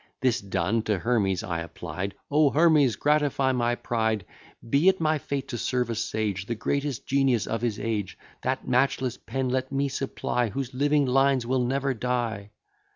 This done, to Hermes I applied: "O Hermes! gratify my pride; Be it my fate to serve a sage, The greatest genius of his age; That matchless pen let me supply, Whose living lines will never die!"